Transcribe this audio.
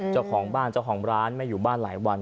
เจ้าของบ้านเจ้าของร้านไม่อยู่บ้านหลายวัน